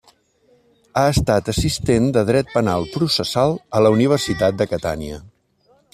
Ha estat assistent de Dret Penal Processal a la Universitat de Catània.